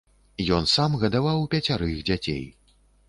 Ён сам гадаваў пяцярых дзяцей.